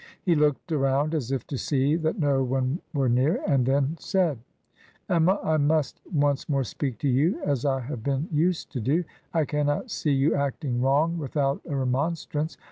He looked around, as if to see that no one were near, and then said, 'Emma, I must once more speak to you as I have been used to do. ... I cannot see you acting wrong without a remonstrance.